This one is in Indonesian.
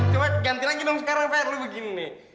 coba ganti lagi dong sekarang ver lo begini nih